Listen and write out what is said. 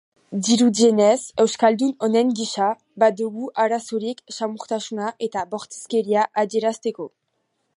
Dirudienez, euskaldun onen gisa, badugu arazorik samurtasuna eta bortizkeria adierazteko.